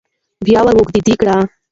بيا وراوږدې کړه